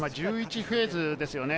１１フェーズですよね。